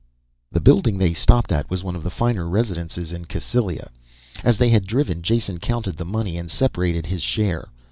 III. The building they stopped at was one of the finer residences in Cassylia. As they had driven, Jason counted the money and separated his share.